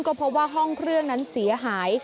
ก็พบว่าห้องเครื่องนั้นเสียหาย